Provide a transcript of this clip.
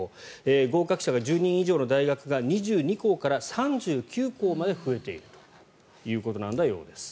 合格者が１０人以上の大学が２２校から３９校まで増えているということのようです。